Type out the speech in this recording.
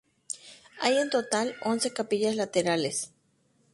Hay en total once capillas laterales.